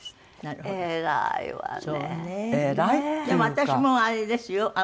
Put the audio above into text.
でも私もあれですよ。